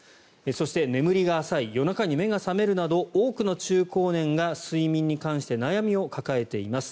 そして、眠りが浅い夜中に目が覚めるなど多くの中高年が睡眠に関して悩みを抱えています。